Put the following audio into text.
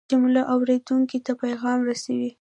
جمله اورېدونکي ته پیغام رسوي.